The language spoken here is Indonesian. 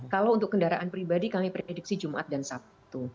kalau untuk kendaraan pribadi kami prediksi jumat dan sabtu